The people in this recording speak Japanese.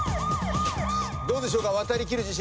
どうでしょうか？